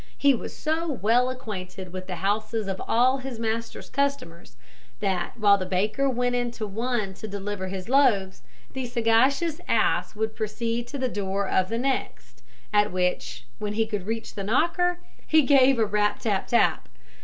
He was so well acquainted with the houses of all his master's customers, that while the baker went into one to deliver his loaves, the sagacious ass would proceed to the door of the next, at which, when he could reach the knocker, he gave a rap a tap tap.